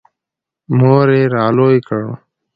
• مور یې را لوی کړ.